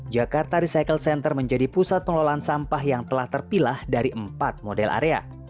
jakarta recycle center menjadi pusat pengelolaan sampah yang telah terpilah dari empat model area